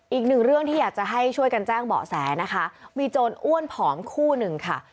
อีกหนึ่งเรื่องที่อยากจะให้ช่วยกันแจ้งเบาะแสนะคะมีโจรอ้วนผอมคู่หนึ่งค่ะ